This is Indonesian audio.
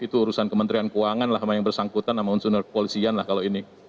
itu urusan kementerian keuangan lah sama yang bersangkutan sama unsur kepolisian lah kalau ini